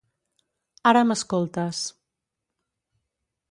Ara m'escoltes.